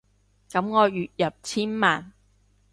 噉我月入千萬